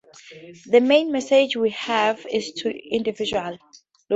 The main message we have is to individuals.